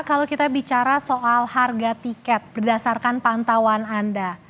kalau kita bicara soal harga tiket berdasarkan pantauan anda